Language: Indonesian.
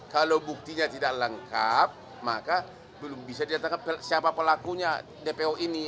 kalau buktinya tidak lengkap maka belum bisa diatakan siapa pelakunya dpo ini